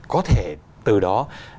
có thể từ đó